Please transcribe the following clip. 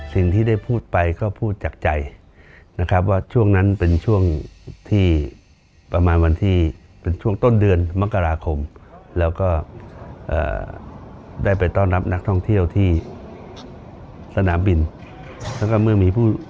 สิ่งที่ได้พูดไปก็พูดจากใจนะครับว่าช่วงนั้นเป็นช่วงที่ประมาณวันที่เป็นช่วงต้นเดือนมกราคมแล้วก็ได้ไปต้อนรับนักท่องเที่ยวที่สนามบินแล้วก็เมื่อมีผู้